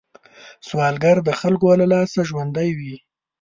سوالګر د خلکو له لاسه ژوندی وي